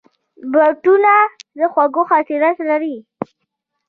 بوټونه د خوږو خاطرې لري.